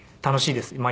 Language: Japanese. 楽しいです。